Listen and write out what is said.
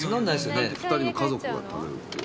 ２人の家族が食べるっていう。